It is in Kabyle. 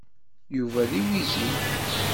Yuba d iwizi.